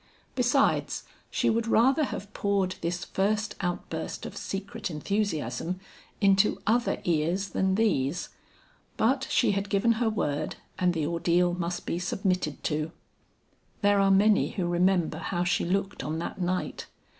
Besides she would rather have poured this first outburst of secret enthusiasm into other ears than these; but she had given her word and the ordeal must be submitted to. There are many who remember how she looked on that night.